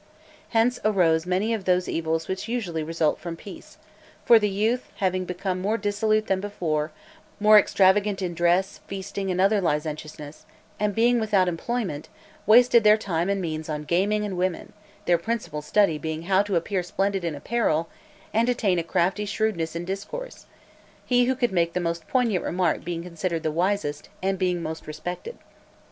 Hence arose many of those evils which usually result from peace; for the youth having become more dissolute than before, more extravagant in dress, feasting, and other licentiousness, and being without employment, wasted their time and means on gaming and women; their principal study being how to appear splendid in apparel, and attain a crafty shrewdness in discourse; he who could make the most poignant remark being considered the wisest, and being most respected.